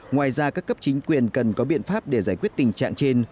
ngoài ra các cấp chính quyền cần có biện pháp để giải quyết tình trạng trên